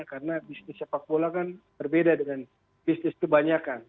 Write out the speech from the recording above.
karena bisnis sepakbola kan berbeda dengan bisnis kebanyakan